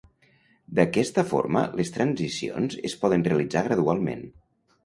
D'aquesta forma les transicions es poden realitzar gradualment.